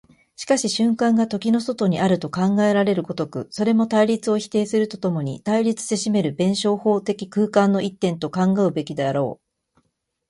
しかし瞬間が時の外にあると考えられる如く、それも対立を否定すると共に対立せしめる弁証法的空間の一点と考うべきであろう。